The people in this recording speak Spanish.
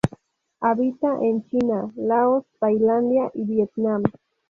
Habita en China, Laos, Tailandia y Vietnam.